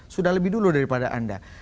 sudah lebih dulu daripada anda